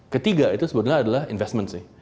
ketiga itu sebetulnya adalah investment sih